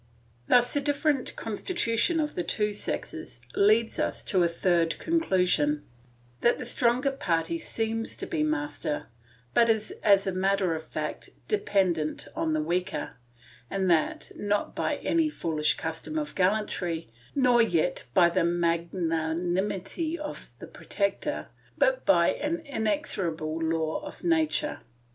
Thus the different constitution of the two sexes leads us to a third conclusion, that the stronger party seems to be master, but is as a matter of fact dependent on the weaker, and that, not by any foolish custom of gallantry, nor yet by the magnanimity of the protector, but by an inexorable law of nature.